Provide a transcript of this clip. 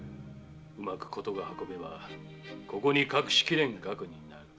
うまく事が運べばここに隠しきれん額になる。